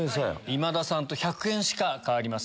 今田さんと１００円しか変わりません。